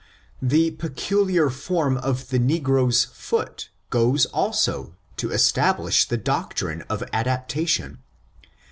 The peculiar form of the negro's /oo/ goes, also, to establish the doctrine of adaptation.